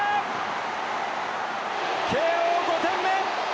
慶応、５点目！